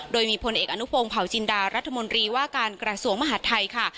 โดยมีพลเอกอนุพงศ์เผาจินดารัฐมนตรีว่าการกระทรวงมหาดไทยค่ะ